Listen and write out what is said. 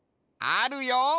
あるよ！